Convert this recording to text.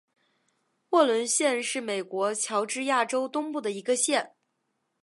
沃伦县是美国乔治亚州东部的一个县。